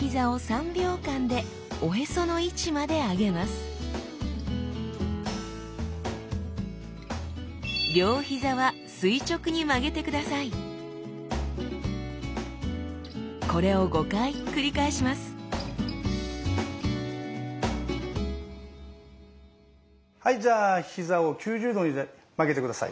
１つ目はまずははいじゃあ膝を９０度に曲げて下さい。